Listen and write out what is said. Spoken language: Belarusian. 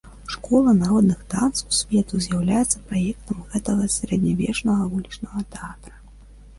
Школа народных танцаў свету з'яўляецца праектам гэтага сярэднявечнага вулічнага тэатра.